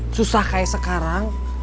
susah kayak sekarang